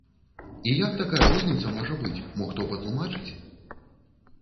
І як такая розніца можа быць, мо хто патлумачыць?